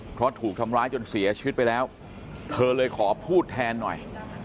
เพราะถูกทำร้ายจนเสียชีวิตไปแล้วเธอเลยขอพูดแทนหน่อย